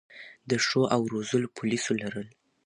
د ښو او روزلو پولیسو لرل